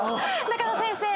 中野先生。